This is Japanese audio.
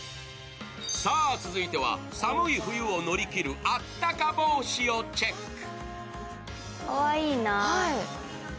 続いては、寒い冬を乗り切るあったか帽子をチェック。